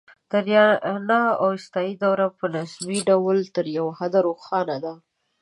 د آریانا اوستایي دوره په نسبي ډول تر یو حده روښانه ده